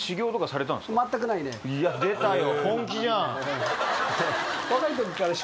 いや出たよ。